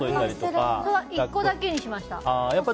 １個だけにしました。